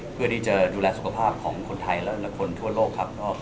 เพื่อที่จะดูแลสุขภาพของคนไทยและคนทั่วโลกครับ